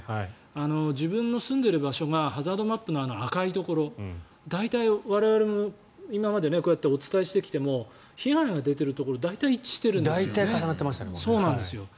自分の住んでいる場所がハザードマップの赤いところ大体、我々も今までこうやってお伝えしてきても被害が出ているところ大体一致しているんですよね。